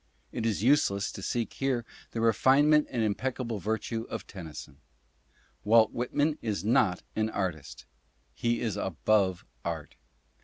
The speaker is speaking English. It is useless to seek here the refinement and impeccable virtue of Tennyson. Walt Whitman is not an artist ; he is above art.